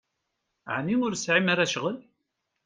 Ɛni ur tesɛim ara ccɣel?